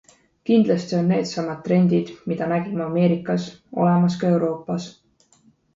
Kindlasti on needsamad trendid, mida nägime Ameerikas, olemas ka Euroopas.